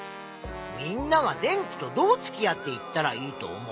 みんなは電気とどうつきあっていったらいいと思う？